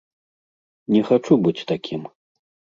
Не хачу быць такім.